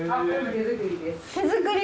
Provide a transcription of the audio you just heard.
手作り！